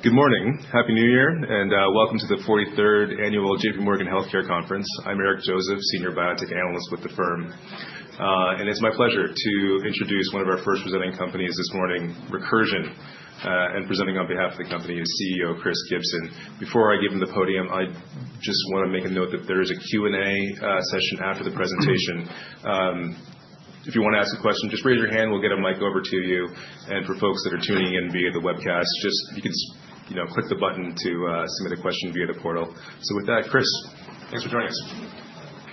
Good morning. Happy New Year, and welcome to the 43rd Annual J.P. Morgan Healthcare Conference. I'm Eric Joseph, Senior Biotech Analyst with the firm. And it's my pleasure to introduce one of our first presenting companies this morning, Recursion. And presenting on behalf of the company is CEO Chris Gibson. Before I give him the podium, I just want to make a note that there is a Q&A session after the presentation. If you want to ask a question, just raise your hand, we'll get a mic over to you. And for folks that are tuning in via the webcast, just click the button to submit a question via the portal. So with that, Chris, thanks for joining us.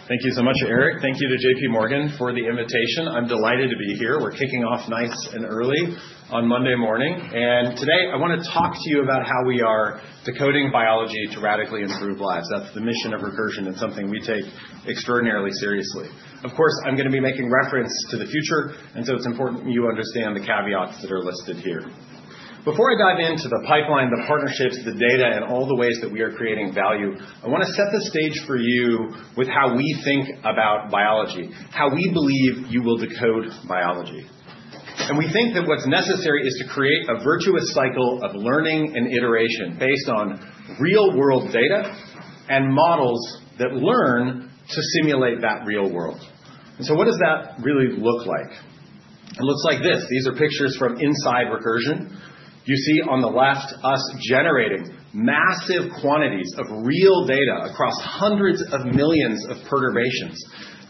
Thank you so much, Eric. Thank you to J.P. Morgan for the invitation. I'm delighted to be here. We're kicking off nice and early on Monday morning, and today, I want to talk to you about how we are decoding biology to radically improve lives. That's the mission of Recursion. It's something we take extraordinarily seriously. Of course, I'm going to be making reference to the future, and so it's important you understand the caveats that are listed here. Before I dive into the pipeline, the partnerships, the data, and all the ways that we are creating value, I want to set the stage for you with how we think about biology, how we believe you will decode biology, and we think that what's necessary is to create a virtuous cycle of learning and iteration based on real-world data and models that learn to simulate that real world. And so what does that really look like? It looks like this. These are pictures from inside Recursion. You see on the left us generating massive quantities of real data across hundreds of millions of perturbations,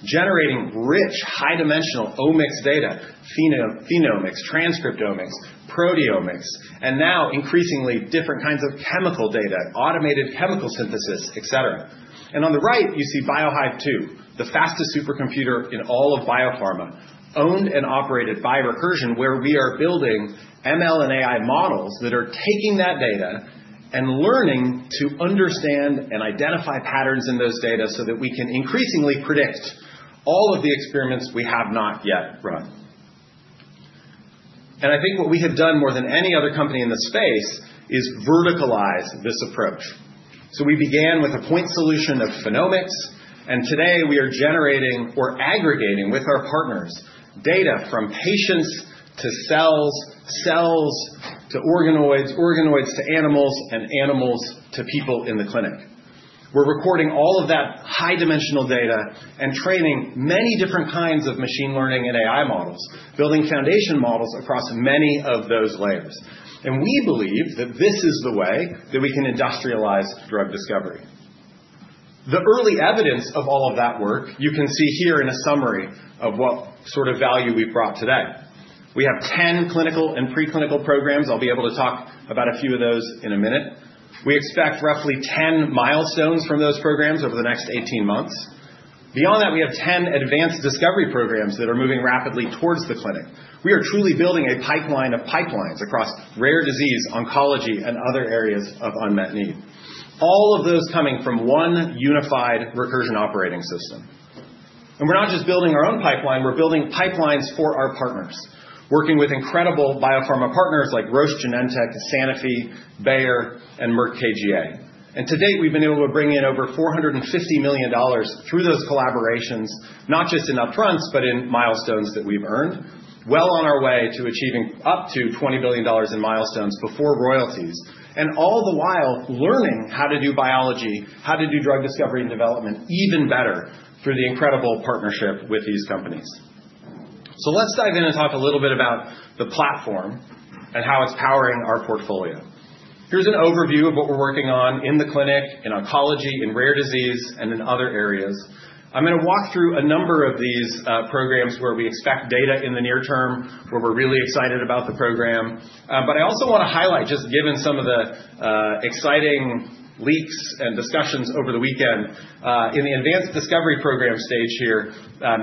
generating rich, high-dimensional omics data, phenomics, transcriptomics, proteomics, and now increasingly different kinds of chemical data, automated chemical synthesis, etc. And on the right, you see BioHive-2, the fastest supercomputer in all of biopharma, owned and operated by Recursion, where we are building ML and AI models that are taking that data and learning to understand and identify patterns in those data so that we can increasingly predict all of the experiments we have not yet run. And I think what we have done more than any other company in the space is verticalize this approach. So we began with a point solution of phenomics, and today we are generating or aggregating with our partners data from patients to cells, cells to organoids, organoids to animals, and animals to people in the clinic. We're recording all of that high-dimensional data and training many different kinds of machine learning and AI models, building foundation models across many of those layers. And we believe that this is the way that we can industrialize drug discovery. The early evidence of all of that work, you can see here in a summary of what sort of value we've brought today. We have 10 clinical and preclinical programs. I'll be able to talk about a few of those in a minute. We expect roughly 10 milestones from those programs over the next 18 months. Beyond that, we have 10 advanced discovery programs that are moving rapidly towards the clinic. We are truly building a pipeline of pipelines across rare disease, oncology, and other areas of unmet need. All of those coming from one unified Recursion operating system, and we're not just building our own pipeline. We're building pipelines for our partners, working with incredible biopharma partners like Roche, Genentech, Sanofi, Bayer, and Merck KGaA, and to date, we've been able to bring in over $450 million through those collaborations, not just in upfronts, but in milestones that we've earned, well on our way to achieving up to $20 billion in milestones before royalties, and all the while learning how to do biology, how to do drug discovery and development even better through the incredible partnership with these companies, so let's dive in and talk a little bit about the platform and how it's powering our portfolio. Here's an overview of what we're working on in the clinic, in oncology, in rare disease, and in other areas. I'm going to walk through a number of these programs where we expect data in the near term, where we're really excited about the program. But I also want to highlight, just given some of the exciting leaks and discussions over the weekend, in the advanced discovery program stage here,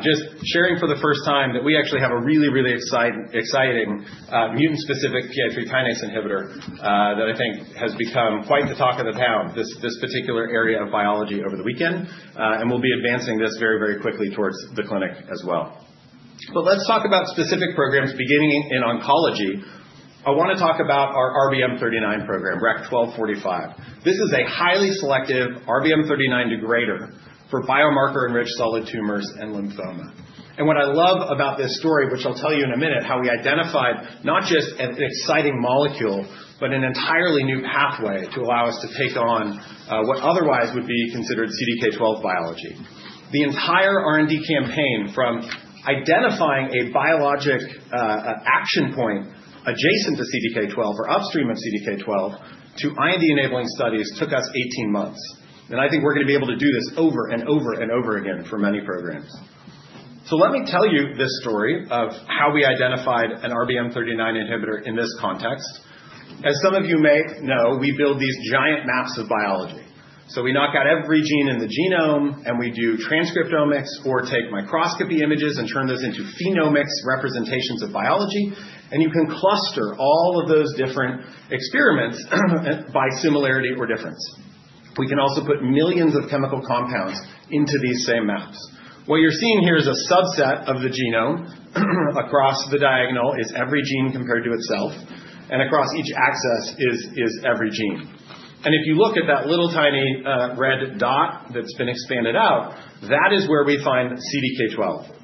just sharing for the first time that we actually have a really, really exciting mutant-specific PI3 kinase inhibitor that I think has become quite the talk of the town, this particular area of biology over the weekend. And we'll be advancing this very, very quickly towards the clinic as well. But let's talk about specific programs beginning in oncology. I want to talk about our RBM39 program, REC-1245. This is a highly selective RBM39 degrader for biomarker-enriched solid tumors and lymphoma, and what I love about this story, which I'll tell you in a minute, how we identified not just an exciting molecule, but an entirely new pathway to allow us to take on what otherwise would be considered CDK12 biology. The entire R&D campaign from identifying a biologic action point adjacent to CDK12 or upstream of CDK12 to IND-enabling studies took us 18 months, and I think we're going to be able to do this over and over and over again for many programs, so let me tell you this story of how we identified an RBM39 inhibitor in this context. As some of you may know, we build these giant maps of biology. We knock out every gene in the genome, and we do transcriptomics or take microscopy images and turn those into phenomics representations of biology. You can cluster all of those different experiments by similarity or difference. We can also put millions of chemical compounds into these same maps. What you're seeing here is a subset of the genome. Across the diagonal is every gene compared to itself, and across each axis is every gene. If you look at that little tiny red dot that's been expanded out, that is where we find CDK12.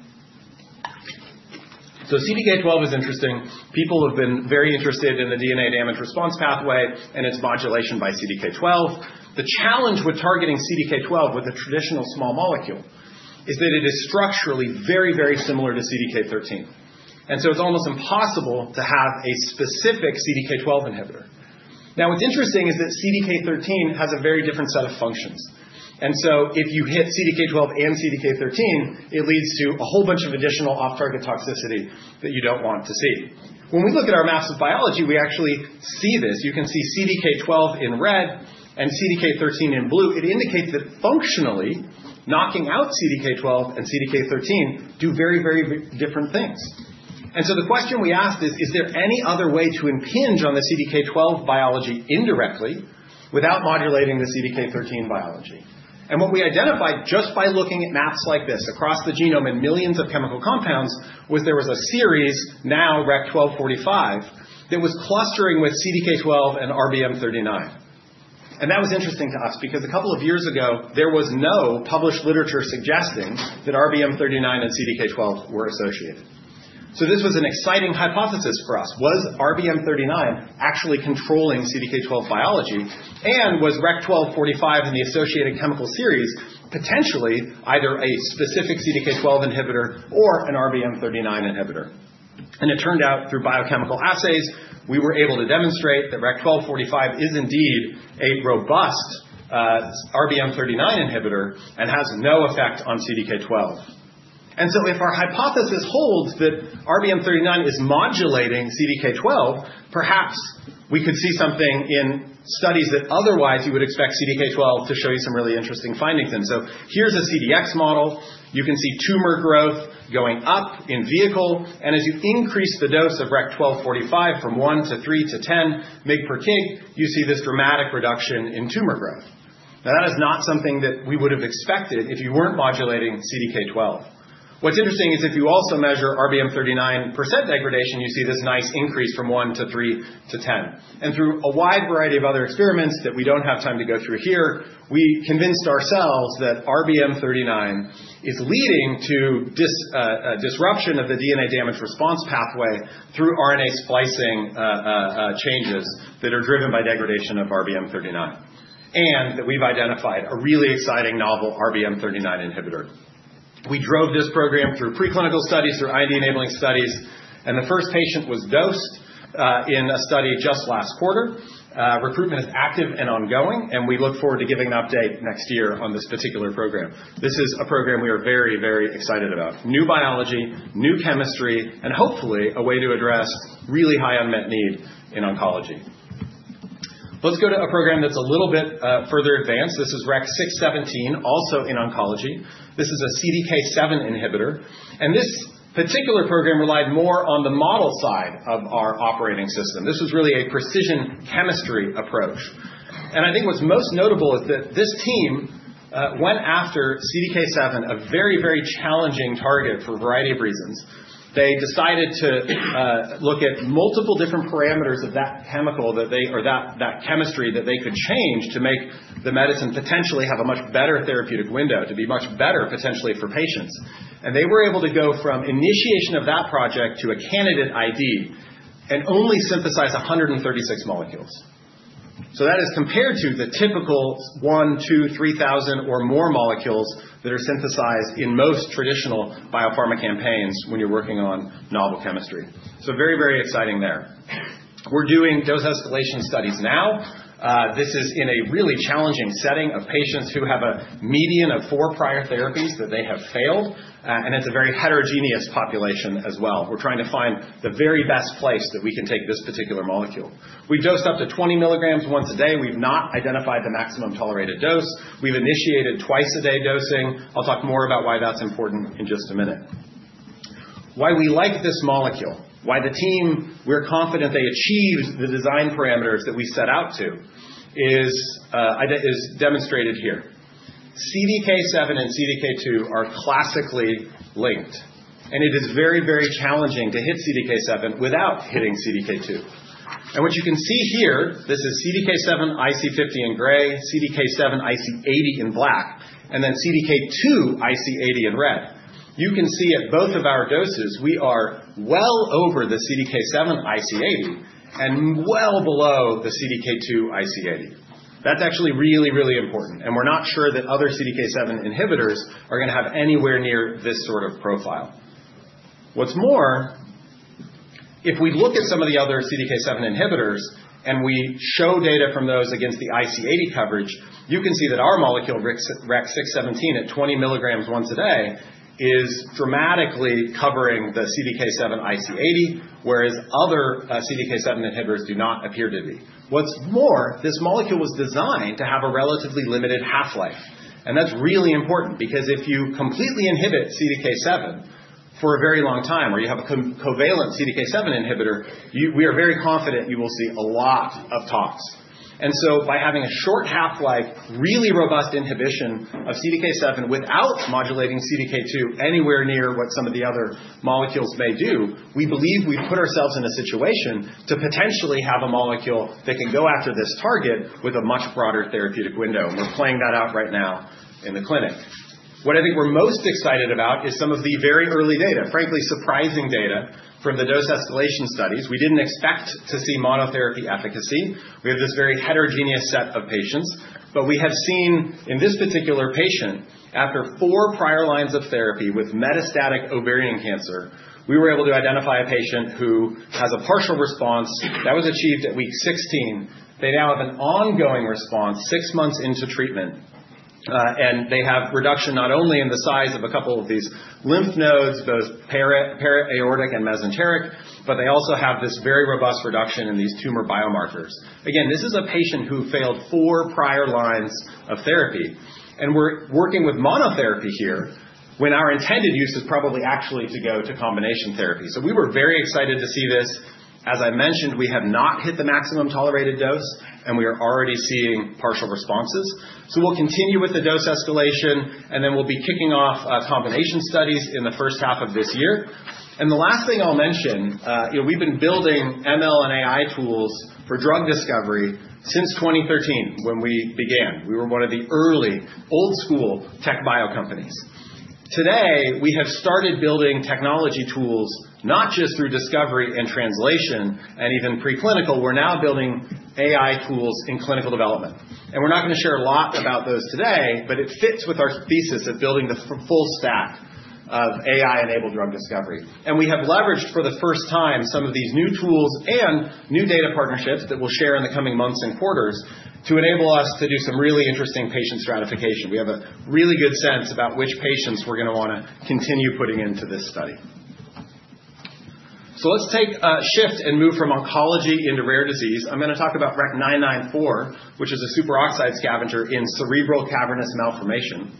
CDK12 is interesting. People have been very interested in the DNA damage response pathway and its modulation by CDK12. The challenge with targeting CDK12 with a traditional small molecule is that it is structurally very, very similar to CDK13. It is almost impossible to have a specific CDK12 inhibitor. Now, what's interesting is that CDK13 has a very different set of functions. And so if you hit CDK12 and CDK13, it leads to a whole bunch of additional off-target toxicity that you don't want to see. When we look at our maps of biology, we actually see this. You can see CDK12 in red and CDK13 in blue. It indicates that functionally, knocking out CDK12 and CDK13 do very, very different things. And so the question we asked is, is there any other way to impinge on the CDK12 biology indirectly without modulating the CDK13 biology? And what we identified just by looking at maps like this across the genome and millions of chemical compounds was a series, now REC-1245, that was clustering with CDK12 and RBM39. And that was interesting to us because a couple of years ago, there was no published literature suggesting that RBM39 and CDK12 were associated. So this was an exciting hypothesis for us. Was RBM39 actually controlling CDK12 biology? And was REC-1245 and the associated chemical series potentially either a specific CDK12 inhibitor or an RBM39 inhibitor? And it turned out through biochemical assays, we were able to demonstrate that REC-1245 is indeed a robust RBM39 inhibitor and has no effect on CDK12. And so if our hypothesis holds that RBM39 is modulating CDK12, perhaps we could see something in studies that otherwise you would expect CDK12 to show you some really interesting findings in. So here's a CDX model. You can see tumor growth going up in vehicle. As you increase the dose of REC-1245 from one to three to 10 mg per kg, you see this dramatic reduction in tumor growth. Now, that is not something that we would have expected if you weren't modulating CDK12. What's interesting is if you also measure RBM39 % degradation, you see this nice increase from one to three to 10. Through a wide variety of other experiments that we don't have time to go through here, we convinced ourselves that RBM39 is leading to disruption of the DNA damage response pathway through RNA splicing changes that are driven by degradation of RBM39. That we've identified a really exciting novel RBM39 inhibitor. We drove this program through preclinical studies, through IND-enabling studies. The first patient was dosed in a study just last quarter. Recruitment is active and ongoing, and we look forward to giving an update next year on this particular program. This is a program we are very, very excited about. New biology, new chemistry, and hopefully a way to address really high unmet need in oncology. Let's go to a program that's a little bit further advanced. This is REC-617, also in oncology. This is a CDK7 inhibitor. And this particular program relied more on the model side of our operating system. This was really a precision chemistry approach. And I think what's most notable is that this team went after CDK7, a very, very challenging target for a variety of reasons. They decided to look at multiple different parameters of that chemical or that chemistry that they could change to make the medicine potentially have a much better therapeutic window, to be much better potentially for patients. And they were able to go from initiation of that project to a candidate ID and only synthesize 136 molecules. So that is compared to the typical 1,000, 2,000, 3,000, or more molecules that are synthesized in most traditional biopharma campaigns when you're working on novel chemistry. So very, very exciting there. We're doing dose escalation studies now. This is in a really challenging setting of patients who have a median of four prior therapies that they have failed. And it's a very heterogeneous population as well. We're trying to find the very best place that we can take this particular molecule. We've dosed up to 20 milligrams once a day. We've not identified the maximum tolerated dose. We've initiated twice-a-day dosing. I'll talk more about why that's important in just a minute. Why we like this molecule, why the team we're confident they achieved the design parameters that we set out to, is demonstrated here. CDK7 and CDK2 are classically linked, and it is very, very challenging to hit CDK7 without hitting CDK2, and what you can see here, this is CDK7 IC50 in gray, CDK7 IC80 in black, and then CDK2 IC80 in red. You can see at both of our doses, we are well over the CDK7 IC80 and well below the CDK2 IC80. That's actually really, really important, and we're not sure that other CDK7 inhibitors are going to have anywhere near this sort of profile. What's more, if we look at some of the other CDK7 inhibitors and we show data from those against the IC80 coverage, you can see that our molecule, REC-617 at 20 milligrams once a day, is dramatically covering the CDK7 IC80, whereas other CDK7 inhibitors do not appear to be. What's more, this molecule was designed to have a relatively limited half-life, and that's really important because if you completely inhibit CDK7 for a very long time, or you have a covalent CDK7 inhibitor, we are very confident you will see a lot of toxicity, and so by having a short half-life, really robust inhibition of CDK7 without modulating CDK2 anywhere near what some of the other molecules may do, we believe we've put ourselves in a situation to potentially have a molecule that can go after this target with a much broader therapeutic window. And we're playing that out right now in the clinic. What I think we're most excited about is some of the very early data, frankly surprising data from the dose escalation studies. We didn't expect to see monotherapy efficacy. We have this very heterogeneous set of patients. But we have seen in this particular patient, after four prior lines of therapy with metastatic ovarian cancer, we were able to identify a patient who has a partial response that was achieved at week 16. They now have an ongoing response six months into treatment. And they have reduction not only in the size of a couple of these lymph nodes, both para-aortic and mesenteric, but they also have this very robust reduction in these tumor biomarkers. Again, this is a patient who failed four prior lines of therapy. And we're working with monotherapy here when our intended use is probably actually to go to combination therapy. So we were very excited to see this. As I mentioned, we have not hit the maximum tolerated dose, and we are already seeing partial responses. So we'll continue with the dose escalation, and then we'll be kicking off combination studies in the first half of this year. And the last thing I'll mention, we've been building ML and AI tools for drug discovery since 2013 when we began. We were one of the early old-school TechBio companies. Today, we have started building technology tools not just through discovery and translation and even preclinical. We're now building AI tools in clinical development. And we're not going to share a lot about those today, but it fits with our thesis of building the full stack of AI-enabled drug discovery. We have leveraged for the first time some of these new tools and new data partnerships that we'll share in the coming months and quarters to enable us to do some really interesting patient stratification. We have a really good sense about which patients we're going to want to continue putting into this study. Let's take a shift and move from oncology into rare disease. I'm going to talk about REC-994, which is a superoxide scavenger in cerebral cavernous malformation.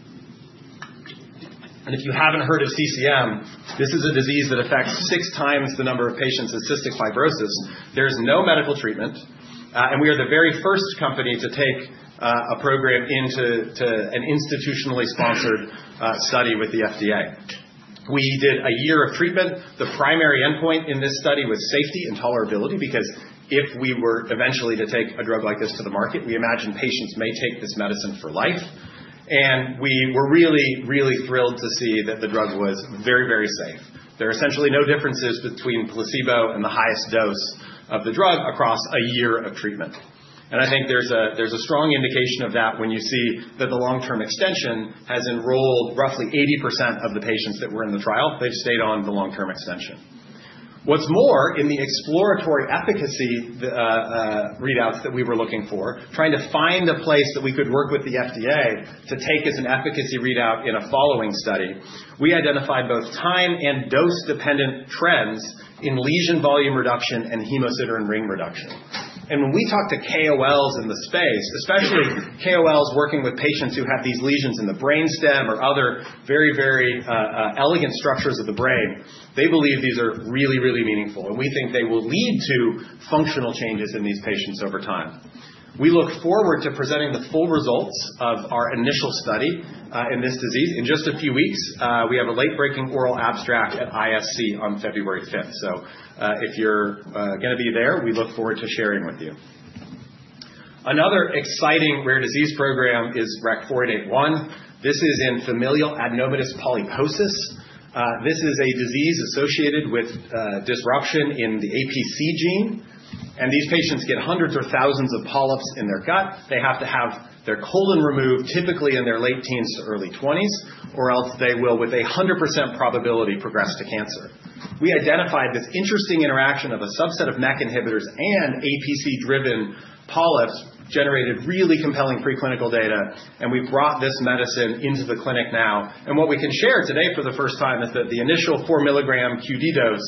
If you haven't heard of CCM, this is a disease that affects six times the number of patients in cystic fibrosis. There is no medical treatment. We are the very first company to take a program into an institutionally sponsored study with the FDA. We did a year of treatment. The primary endpoint in this study was safety and tolerability because if we were eventually to take a drug like this to the market, we imagine patients may take this medicine for life. And we were really, really thrilled to see that the drug was very, very safe. There are essentially no differences between placebo and the highest dose of the drug across a year of treatment. And I think there's a strong indication of that when you see that the long-term extension has enrolled roughly 80% of the patients that were in the trial. They've stayed on the long-term extension. What's more, in the exploratory efficacy readouts that we were looking for, trying to find a place that we could work with the FDA to take as an efficacy readout in a following study, we identified both time and dose-dependent trends in lesion volume reduction and hemosiderin ring reduction. When we talk to KOLs in the space, especially KOLs working with patients who have these lesions in the brainstem or other very, very elegant structures of the brain, they believe these are really, really meaningful. We think they will lead to functional changes in these patients over time. We look forward to presenting the full results of our initial study in this disease in just a few weeks. We have a late-breaking oral abstract at ISC on February 5th. So if you're going to be there, we look forward to sharing with you. Another exciting rare disease program is REC-4881. This is in familial adenomatous polyposis. This is a disease associated with disruption in the APC gene. These patients get hundreds or thousands of polyps in their gut. They have to have their colon removed typically in their late teens to early 20s, or else they will, with 100% probability, progress to cancer. We identified this interesting interaction of a subset of MEK inhibitors and APC-driven polyps generated really compelling preclinical data, and we've brought this medicine into the clinic now, and what we can share today for the first time is that the initial four milligram QD dose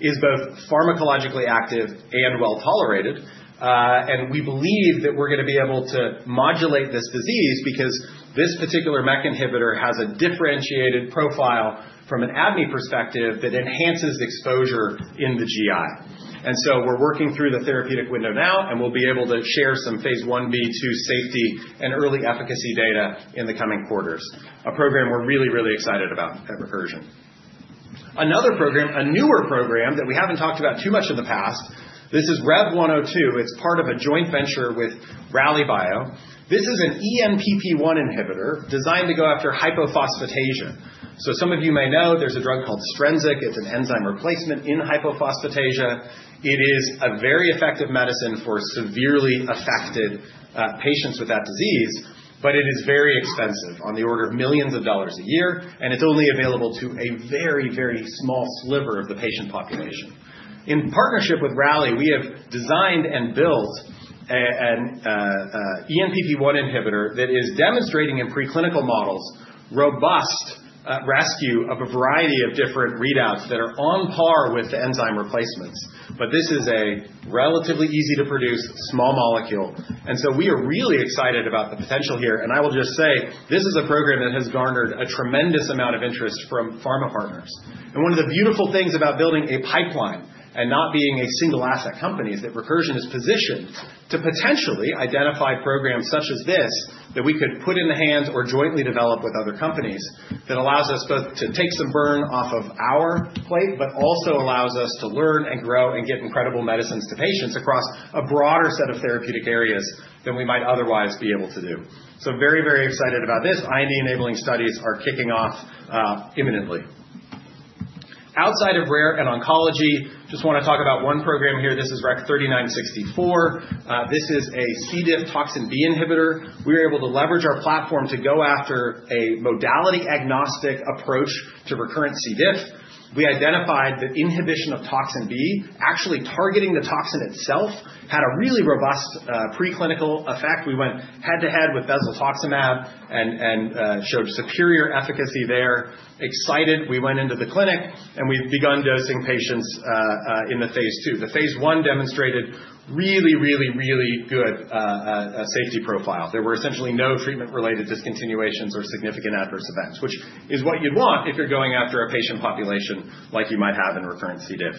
is both pharmacologically active and well tolerated, and we believe that we're going to be able to modulate this disease because this particular MEK inhibitor has a differentiated profile from an ADME perspective that enhances exposure in the GI, and so we're working through the therapeutic window now, and we'll be able to share some phase 1b/2 safety and early efficacy data in the coming quarters. A program we're really, really excited about at Recursion. Another program, a newer program that we haven't talked about too much in the past, this is REV-102. It's part of a joint venture with Rallybio. This is an ENPP1 inhibitor designed to go after hypophosphatasia. So some of you may know there's a drug called Strensiq. It's an enzyme replacement in hypophosphatasia. It is a very effective medicine for severely affected patients with that disease, but it is very expensive on the order of millions of dollars a year. And it's only available to a very, very small sliver of the patient population. In partnership with Rallybio, we have designed and built an ENPP1 inhibitor that is demonstrating in preclinical models robust rescue of a variety of different readouts that are on par with the enzyme replacements. But this is a relatively easy-to-produce, small molecule. And so we are really excited about the potential here. And I will just say, this is a program that has garnered a tremendous amount of interest from pharma partners. And one of the beautiful things about building a pipeline and not being a single asset company is that Recursion is positioned to potentially identify programs such as this that we could put in the hands or jointly develop with other companies that allows us both to take some burn off of our plate, but also allows us to learn and grow and get incredible medicines to patients across a broader set of therapeutic areas than we might otherwise be able to do. So very, very excited about this. IND-enabling studies are kicking off imminently. Outside of rare and oncology, just want to talk about one program here. This is REC-3964. This is a C. diff toxin B inhibitor. We were able to leverage our platform to go after a modality-agnostic approach to recurrent C. diff. We identified that inhibition of toxin B, actually targeting the toxin itself, had a really robust preclinical effect. We went head-to-head with bezlotoxumab and showed superior efficacy there. Excited, we went into the clinic, and we've begun dosing patients in the phase II. The phase I demonstrated really, really, really good safety profile. There were essentially no treatment-related discontinuations or significant adverse events, which is what you'd want if you're going after a patient population like you might have in recurrent C. diff.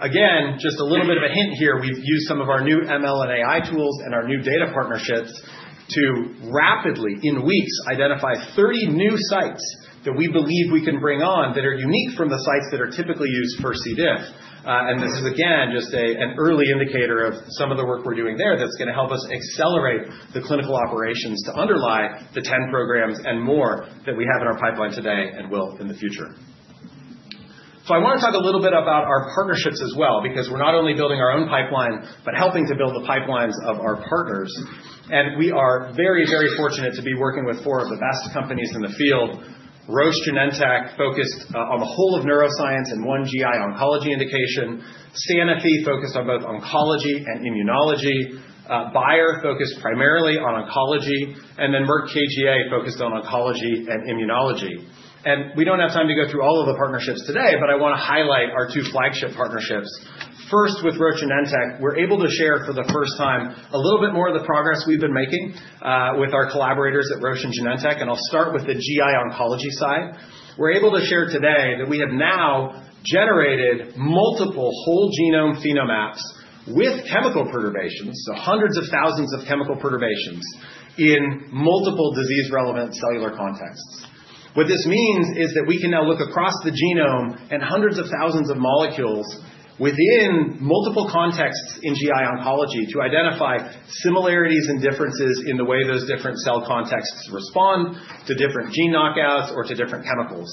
Again, just a little bit of a hint here, we've used some of our new ML and AI tools and our new data partnerships to rapidly, in weeks, identify 30 new sites that we believe we can bring on that are unique from the sites that are typically used for C. diff. And this is, again, just an early indicator of some of the work we're doing there that's going to help us accelerate the clinical operations to underlie the 10 programs and more that we have in our pipeline today and will in the future. So I want to talk a little bit about our partnerships as well because we're not only building our own pipeline, but helping to build the pipelines of our partners. And we are very, very fortunate to be working with four of the best companies in the field. Roche/Genentech focused on the whole of neuroscience and one GI oncology indication. Sanofi focused on both oncology and immunology. Bayer focused primarily on oncology. And then Merck KGaA focused on oncology and immunology. And we don't have time to go through all of the partnerships today, but I want to highlight our two flagship partnerships. First, with Roche and Genentech, we're able to share for the first time a little bit more of the progress we've been making with our collaborators at Roche and Genentech. And I'll start with the GI oncology side. We're able to share today that we have now generated multiple whole genome phenomaps with chemical perturbations, so hundreds of thousands of chemical perturbations in multiple disease-relevant cellular contexts. What this means is that we can now look across the genome and hundreds of thousands of molecules within multiple contexts in GI oncology to identify similarities and differences in the way those different cell contexts respond to different gene knockouts or to different chemicals.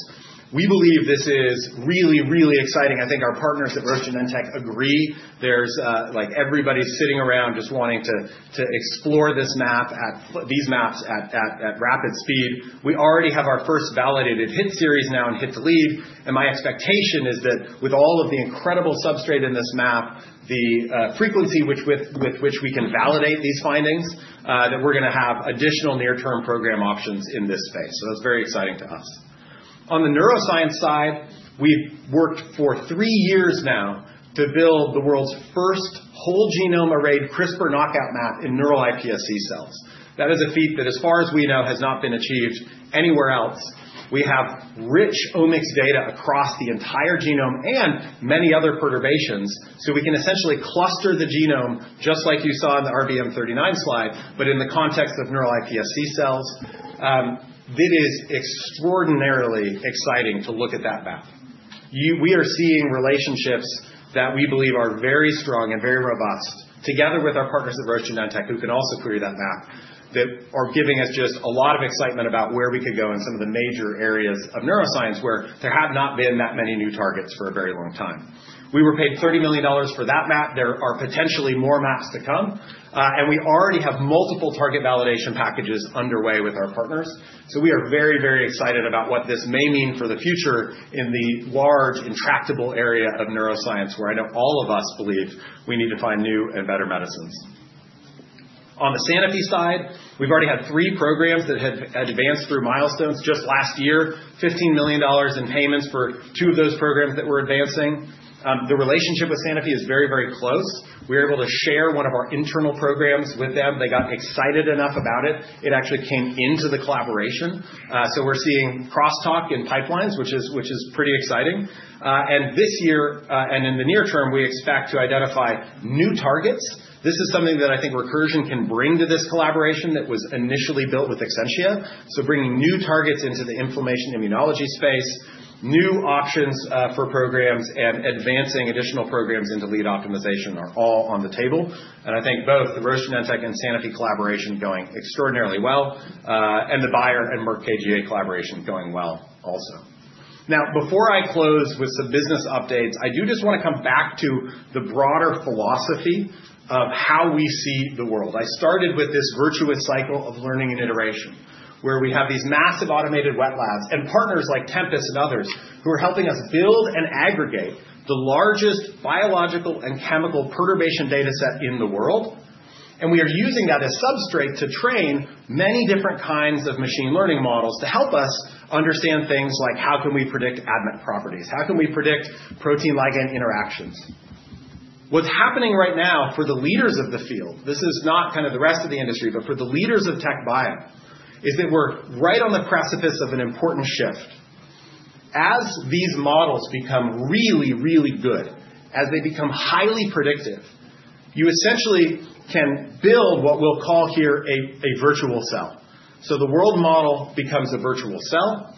We believe this is really, really exciting. I think our partners at Roche and Genentech agree. Everybody's sitting around just wanting to explore these maps at rapid speed. We already have our first validated hit series now in hit to lead, and my expectation is that with all of the incredible substrate in this map, the frequency with which we can validate these findings, that we're going to have additional near-term program options in this space, so that's very exciting to us. On the neuroscience side, we've worked for three years now to build the world's first whole genome arrayed CRISPR knockout map in neural iPSC cells. That is a feat that, as far as we know, has not been achieved anywhere else. We have rich omics data across the entire genome and many other perturbations, so we can essentially cluster the genome just like you saw in the RBM39 slide, but in the context of neural iPSC cells. It is extraordinarily exciting to look at that map. We are seeing relationships that we believe are very strong and very robust together with our partners at Roche and Genentech, who can also query that map, that are giving us just a lot of excitement about where we could go in some of the major areas of neuroscience where there have not been that many new targets for a very long time. We were paid $30 million for that map. There are potentially more maps to come, and we already have multiple target validation packages underway with our partners, so we are very, very excited about what this may mean for the future in the large, intractable area of neuroscience where I know all of us believe we need to find new and better medicines. On the Sanofi side, we've already had three programs that have advanced through milestones just last year, $15 million in payments for two of those programs that we're advancing. The relationship with Sanofi is very, very close. We were able to share one of our internal programs with them. They got excited enough about it. It actually came into the collaboration. So we're seeing crosstalk in pipelines, which is pretty exciting. And this year and in the near term, we expect to identify new targets. This is something that I think Recursion can bring to this collaboration that was initially built with Exscientia. So bringing new targets into the inflammation immunology space, new options for programs, and advancing additional programs into lead optimization are all on the table. And I think both the Roche and Genentech and Sanofi collaboration are going extraordinarily well, and the Bayer and Merck KGaA collaboration is going well also. Now, before I close with some business updates, I do just want to come back to the broader philosophy of how we see the world. I started with this virtuous cycle of learning and iteration where we have these massive automated wet labs and partners like Tempus and others who are helping us build and aggregate the largest biological and chemical perturbation dataset in the world. And we are using that as substrate to train many different kinds of machine learning models to help us understand things like how can we predict ADME properties, how can we predict protein-ligand interactions. What's happening right now for the leaders of the field, this is not kind of the rest of the industry, but for the leaders of TechBio, is that we're right on the precipice of an important shift. As these models become really, really good, as they become highly predictive, you essentially can build what we'll call here a virtual cell. So the world model becomes a virtual cell.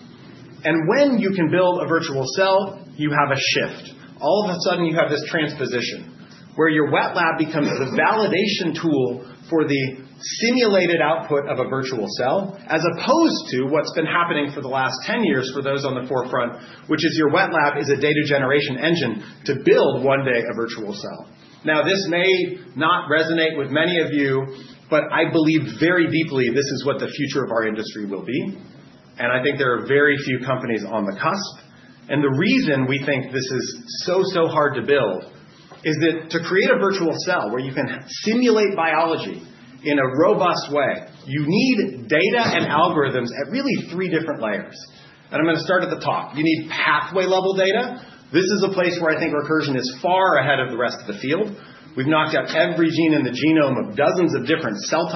And when you can build a virtual cell, you have a shift. All of a sudden, you have this transposition where your wet lab becomes the validation tool for the simulated output of a virtual cell as opposed to what's been happening for the last 10 years for those on the forefront, which is your wet lab is a data generation engine to build one day a virtual cell. Now, this may not resonate with many of you, but I believe very deeply this is what the future of our industry will be. I think there are very few companies on the cusp. The reason we think this is so, so hard to build is that to create a virtual cell where you can simulate biology in a robust way, you need data and algorithms at really three different layers. I'm going to start at the top. You need pathway-level data. This is a place where I think Recursion is far ahead of the rest of the field. We've knocked out every gene in the genome of dozens of different cell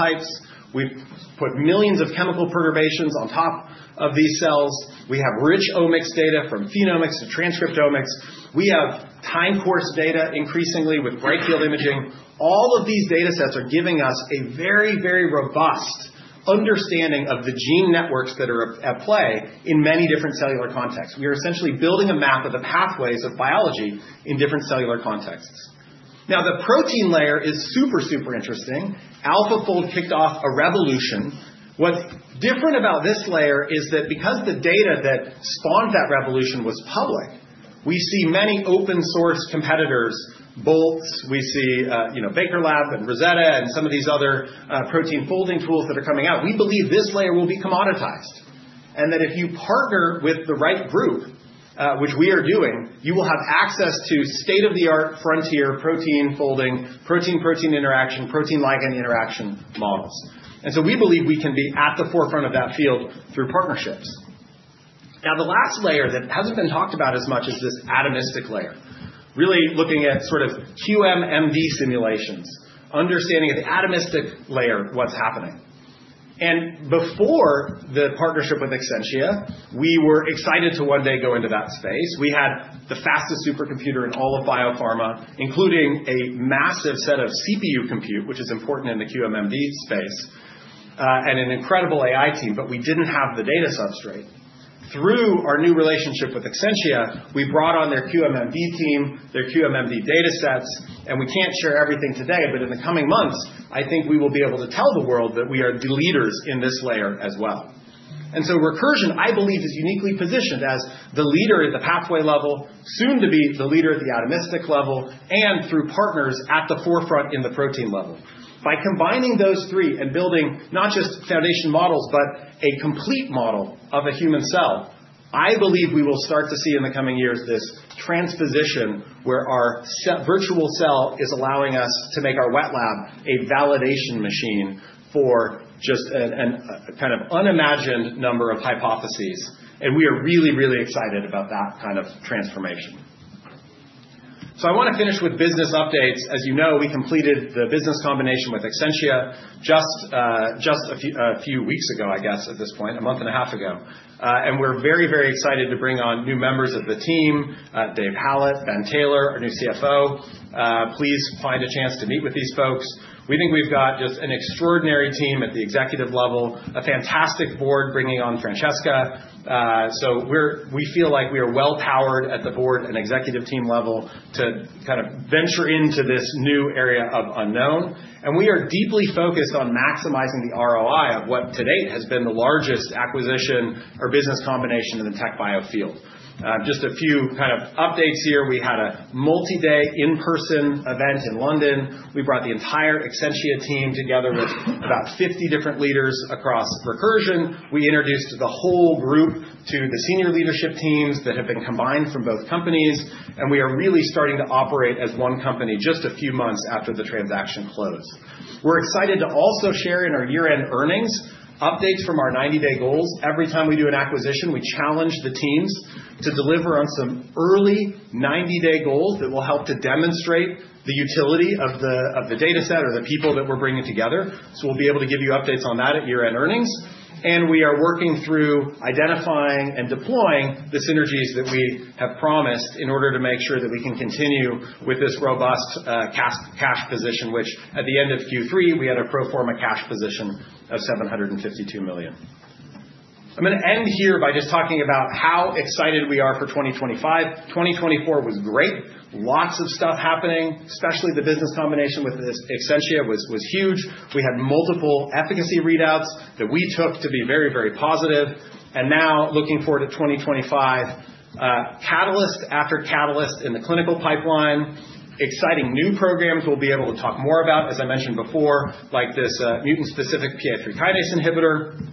types. We've put millions of chemical perturbations on top of these cells. We have rich omics data from phenomics to transcriptomics. We have time course data increasingly with bright field imaging. All of these datasets are giving us a very, very robust understanding of the gene networks that are at play in many different cellular contexts. We are essentially building a map of the pathways of biology in different cellular contexts. Now, the protein layer is super, super interesting. AlphaFold kicked off a revolution. What's different about this layer is that because the data that spawned that revolution was public, we see many open-source competitors, Boltz, we see Baker Lab and Rosetta, and some of these other protein folding tools that are coming out. We believe this layer will be commoditized, and that if you partner with the right group, which we are doing, you will have access to state-of-the-art frontier protein folding, protein-protein interaction, protein-ligand interaction models, and so we believe we can be at the forefront of that field through partnerships. Now, the last layer that hasn't been talked about as much is this atomistic layer, really looking at sort of QM/MD simulations, understanding of the atomistic layer, what's happening, and before the partnership with Exscientia, we were excited to one day go into that space. We had the fastest supercomputer in all of biopharma, including a massive set of CPU compute, which is important in the QM/MD space, and an incredible AI team, but we didn't have the data substrate. Through our new relationship with Exscientia, we brought on their QM/MD team, their QM/MD datasets, and we can't share everything today, but in the coming months, I think we will be able to tell the world that we are the leaders in this layer as well. Recursion, I believe, is uniquely positioned as the leader at the pathway level, soon to be the leader at the atomistic level, and through partners at the forefront in the protein level. By combining those three and building not just foundation models, but a complete model of a human cell, I believe we will start to see in the coming years this transposition where our virtual cell is allowing us to make our wet lab a validation machine for just a kind of unimagined number of hypotheses. We are really, really excited about that kind of transformation. I want to finish with business updates. As you know, we completed the business combination with Exscientia just a few weeks ago, I guess, at this point, a month and a half ago. And we're very, very excited to bring on new members of the team, Dave Hallett, Ben Taylor, our new CFO. Please find a chance to meet with these folks. We think we've got just an extraordinary team at the executive level, a fantastic board bringing on Franziska. So we feel like we are well-powered at the board and executive team level to kind of venture into this new area of unknown. And we are deeply focused on maximizing the ROI of what to date has been the largest acquisition or business combination in the TechBio field. Just a few kind of updates here. We had a multi-day in-person event in London. We brought the entire Exscientia team together with about 50 different leaders across Recursion. We introduced the whole group to the senior leadership teams that have been combined from both companies. We are really starting to operate as one company just a few months after the transaction closed. We're excited to also share in our year-end earnings updates from our 90-day goals. Every time we do an acquisition, we challenge the teams to deliver on some early 90-day goals that will help to demonstrate the utility of the dataset or the people that we're bringing together. So we'll be able to give you updates on that at year-end earnings. We are working through identifying and deploying the synergies that we have promised in order to make sure that we can continue with this robust cash position, which at the end of Q3, we had a pro forma cash position of $752 million. I'm going to end here by just talking about how excited we are for 2025. 2024 was great. Lots of stuff happening, especially the business combination with Exscientia was huge. We had multiple efficacy readouts that we took to be very, very positive, and now looking forward to 2025, catalyst after catalyst in the clinical pipeline, exciting new programs we'll be able to talk more about, as I mentioned before, like this mutant-specific PI3 kinase inhibitor.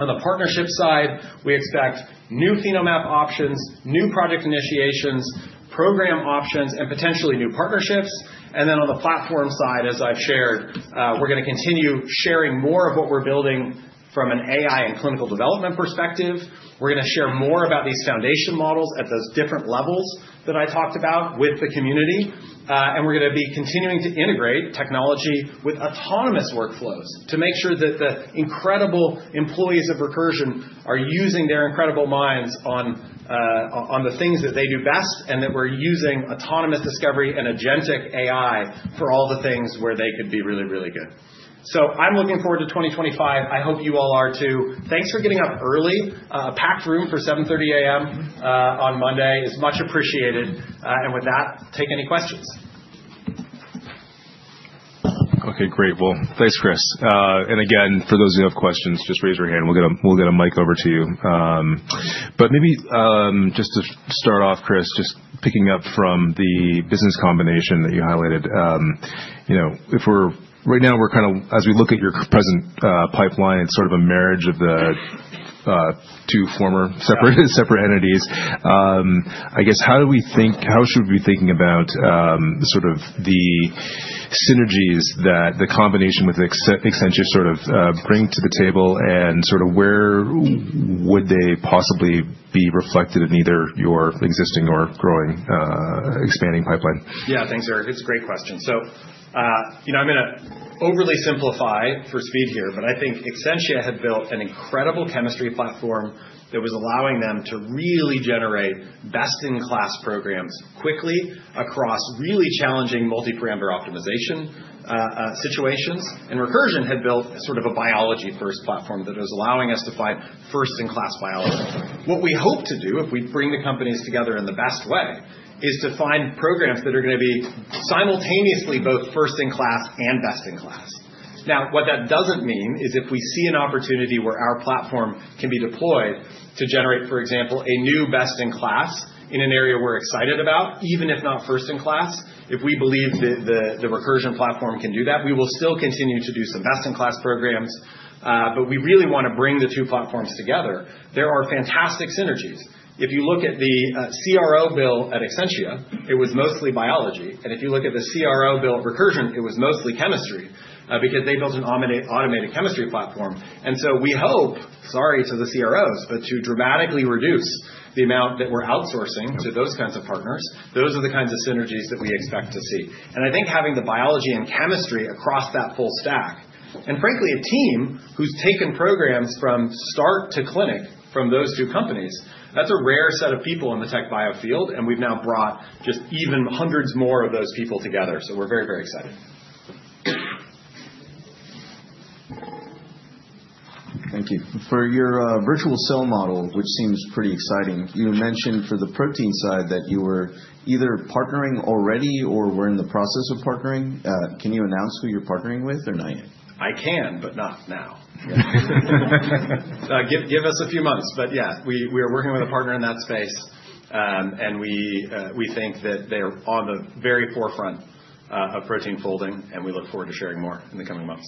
On the partnership side, we expect new phenomap options, new project initiations, program options, and potentially new partnerships, and then on the platform side, as I've shared, we're going to continue sharing more of what we're building from an AI and clinical development perspective. We're going to share more about these foundation models at those different levels that I talked about with the community. And we're going to be continuing to integrate technology with autonomous workflows to make sure that the incredible employees of Recursion are using their incredible minds on the things that they do best and that we're using autonomous discovery and agentic AI for all the things where they could be really, really good. So I'm looking forward to 2025. I hope you all are too. Thanks for getting up early. A packed room for 7:30 A.M. on Monday is much appreciated. And with that, take any questions. Okay, great. Well, thanks, Chris. And again, for those who have questions, just raise your hand. We'll get a mic over to you. But maybe just to start off, Chris, just picking up from the business combination that you highlighted, if we're right now, we're kind of, as we look at your present pipeline, it's sort of a marriage of the two former separate entities. I guess, how do we think, how should we be thinking about sort of the synergies that the combination with Exscientia sort of bring to the table, and sort of where would they possibly be reflected in either your existing or growing expanding pipeline? Yeah, thanks, Eric. It's a great question. So I'm going to overly simplify for speed here, but I think Exscientia had built an incredible chemistry platform that was allowing them to really generate best-in-class programs quickly across really challenging multi-parameter optimization situations. And Recursion had built sort of a biology-first platform that was allowing us to find first-in-class biology. What we hope to do if we bring the companies together in the best way is to find programs that are going to be simultaneously both first-in-class and best-in-class. Now, what that doesn't mean is if we see an opportunity where our platform can be deployed to generate, for example, a new best-in-class in an area we're excited about, even if not first-in-class, if we believe the Recursion platform can do that, we will still continue to do some best-in-class programs. But we really want to bring the two platforms together. There are fantastic synergies. If you look at the CRO bill at Exscientia, it was mostly biology. And if you look at the CRO bill at Recursion, it was mostly chemistry because they built an automated chemistry platform. And so we hope, sorry to the CROs, but to dramatically reduce the amount that we're outsourcing to those kinds of partners. Those are the kinds of synergies that we expect to see. And I think having the biology and chemistry across that full stack, and frankly, a team who's taken programs from start to clinic from those two companies, that's a rare set of people in the TechBio field. And we've now brought just even hundreds more of those people together. So we're very, very excited. Thank you. For your virtual cell model, which seems pretty exciting, you mentioned for the protein side that you were either partnering already or were in the process of partnering. Can you announce who you're partnering with, or not yet? I can, but not now. Give us a few months. But yeah, we are working with a partner in that space. And we think that they are on the very forefront of protein folding, and we look forward to sharing more in the coming months.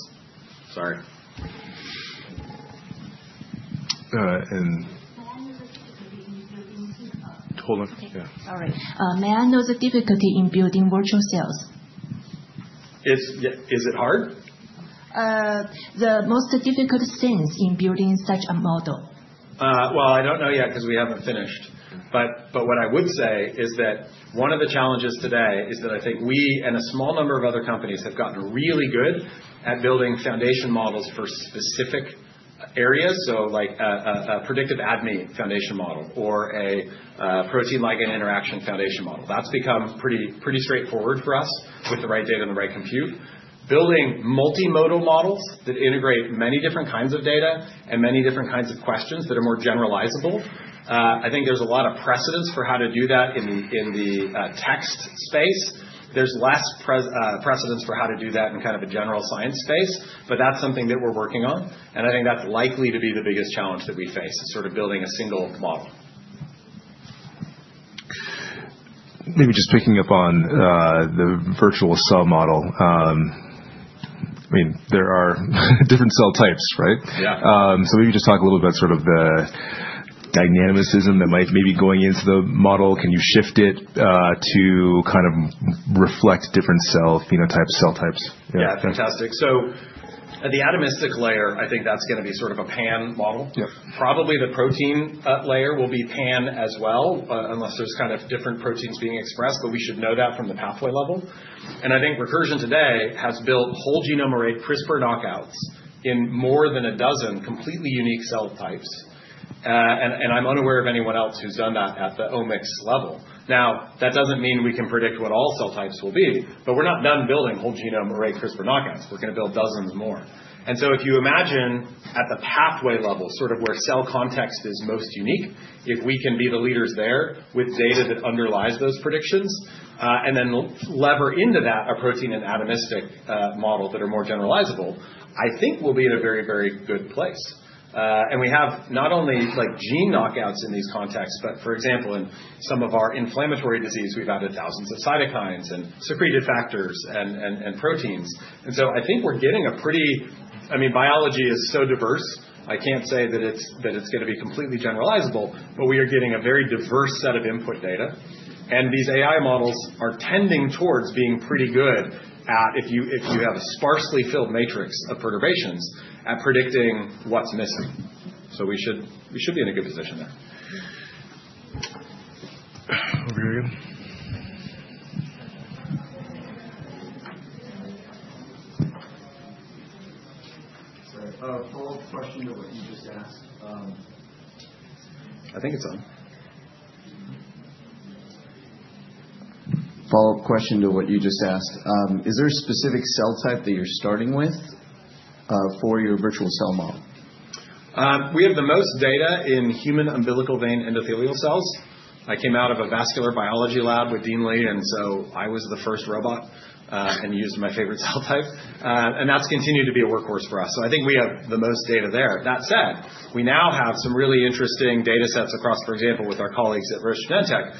Sorry. Hold on. All right. May I know the difficulty in building virtual cells? Is it hard? The most difficult things in building such a model? I don't know yet because we haven't finished. What I would say is that one of the challenges today is that I think we and a small number of other companies have gotten really good at building foundation models for specific areas, so like a predictive admin foundation model or a protein-ligand interaction foundation model. That's become pretty straightforward for us with the right data and the right compute. Building multimodal models that integrate many different kinds of data and many different kinds of questions that are more generalizable, I think there's a lot of precedence for how to do that in the text space. There's less precedence for how to do that in kind of a general science space, but that's something that we're working on. I think that's likely to be the biggest challenge that we face is sort of building a single model. Maybe just picking up on the virtual cell model. I mean, there are different cell types, right? Yeah. So maybe just talk a little bit about sort of the dynamism that might maybe going into the model. Can you shift it to kind of reflect different cell phenotypes, cell types? Yeah, fantastic. So at the atomistic layer, I think that's going to be sort of a pan model. Probably the protein layer will be pan as well, unless there's kind of different proteins being expressed, but we should know that from the pathway level. And I think Recursion today has built whole genome array CRISPR knockouts in more than a dozen completely unique cell types. And I'm unaware of anyone else who's done that at the omics level. Now, that doesn't mean we can predict what all cell types will be, but we're not done building whole genome array CRISPR knockouts. We're going to build dozens more. And so if you imagine at the pathway level, sort of where cell context is most unique, if we can be the leaders there with data that underlies those predictions, and then lever into that a protein and atomistic model that are more generalizable, I think we'll be in a very, very good place. And we have not only gene knockouts in these contexts, but for example, in some of our inflammatory disease, we've added thousands of cytokines and secreted factors and proteins. And so I think we're getting a pretty, I mean, biology is so diverse. I can't say that it's going to be completely generalizable, but we are getting a very diverse set of input data. And these AI models are tending towards being pretty good at, if you have a sparsely filled matrix of perturbations, at predicting what's missing. So we should be in a good position there. Over here again. Sorry. Follow-up question to what you just asked. I think it's on. Follow-up question to what you just asked. Is there a specific cell type that you're starting with for your virtual cell model? We have the most data in human umbilical vein endothelial cells. I came out of a vascular biology lab with Dean Li, and so I was the first robot and used my favorite cell type. And that's continued to be a workhorse for us. So I think we have the most data there. That said, we now have some really interesting data sets across, for example, with our colleagues at Genentech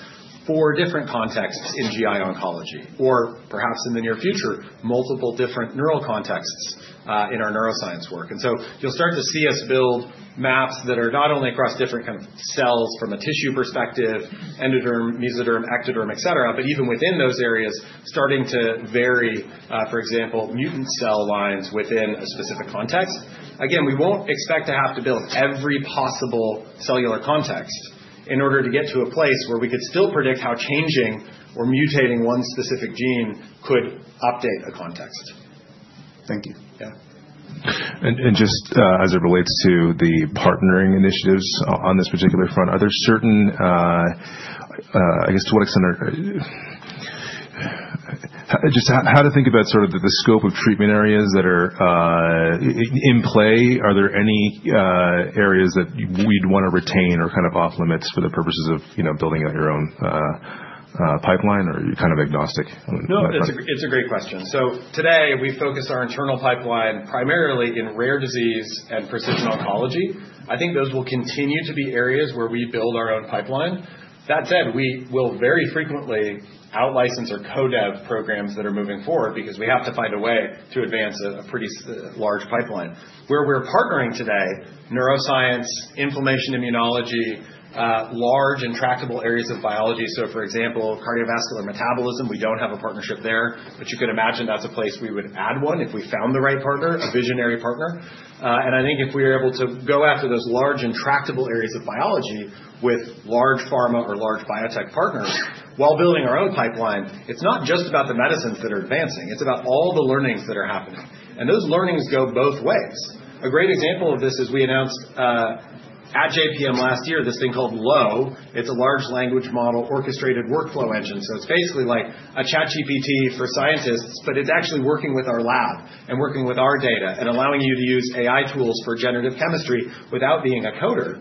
for different contexts in GI oncology, or perhaps in the near future, multiple different neural contexts in our neuroscience work. And so you'll start to see us build maps that are not only across different kinds of cells from a tissue perspective, endoderm, mesoderm, ectoderm, etc., but even within those areas, starting to vary, for example, mutant cell lines within a specific context. Again, we won't expect to have to build every possible cellular context in order to get to a place where we could still predict how changing or mutating one specific gene could update a context. Thank you. Yeah. Just as it relates to the partnering initiatives on this particular front, are there certain, I guess, to what extent are just how to think about sort of the scope of treatment areas that are in play? Are there any areas that we'd want to retain or kind of off-limits for the purposes of building out your own pipeline, or are you kind of agnostic? No, it's a great question, so today, we focus our internal pipeline primarily in rare disease and precision oncology. I think those will continue to be areas where we build our own pipeline. That said, we will very frequently out-license or co-dev programs that are moving forward because we have to find a way to advance a pretty large pipeline. Where we're partnering today: neuroscience, inflammation immunology, large intractable areas of biology, so for example, cardiovascular metabolism, we don't have a partnership there, but you could imagine that's a place we would add one if we found the right partner, a visionary partner, and I think if we are able to go after those large intractable areas of biology with large pharma or large biotech partners while building our own pipeline, it's not just about the medicines that are advancing. It's about all the learnings that are happening. Those learnings go both ways. A great example of this is we announced at JPM last year this thing called LOWE. It's a large language model orchestrated workflow engine, so it's basically like a ChatGPT for scientists, but it's actually working with our lab and working with our data and allowing you to use AI tools for generative chemistry without being a coder.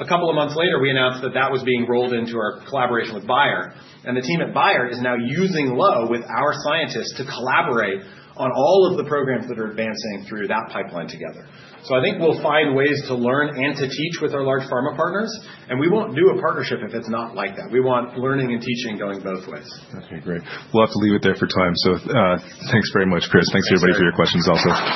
A couple of months later, we announced that that was being rolled into our collaboration with Bayer. The team at Bayer is now using LOWE with our scientists to collaborate on all of the programs that are advancing through that pipeline together, so I think we'll find ways to learn and to teach with our large pharma partners. We won't do a partnership if it's not like that. We want learning and teaching going both ways. Okay, great. We'll have to leave it there for time. So thanks very much, Chris. Thanks to everybody for your questions also.